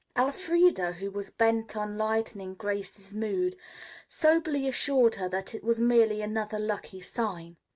Elfreda, who was bent on lightening Grace's mood, soberly assured her that it was merely another lucky sign.